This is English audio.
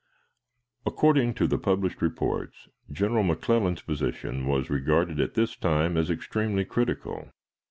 According to the published reports, General McClellan's position was regarded at this time as extremely critical.